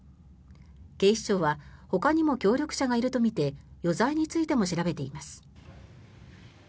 警視庁はほかにも協力者がいるとみて余罪についても調べています。